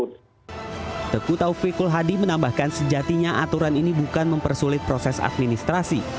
teguh taufik kulhadi menambahkan sejatinya aturan ini bukan mempersulit proses administrasi